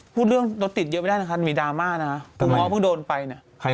พูดเรื่องรถติดเยอะไปได้นะคะมีดาร์มาตั้งแต่ลากูม้อเพิ่งโดนไปเนี้ย